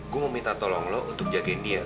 gue mau minta tolong lo untuk jagain dia